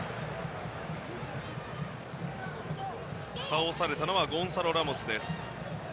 倒されたのはゴンサロ・ラモス。